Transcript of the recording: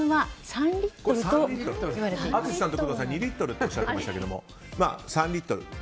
淳さんと工藤さん２リットルとおっしゃってましたけど３リットルです。